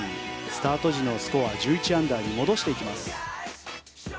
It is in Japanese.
スタート時のスコア１１アンダーに戻していきます。